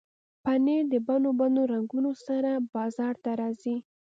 پنېر د بڼو بڼو رنګونو سره بازار ته راځي.